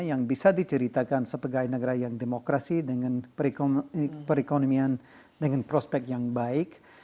yang bisa diceritakan sebagai negara yang demokrasi dengan perekonomian dengan prospek yang baik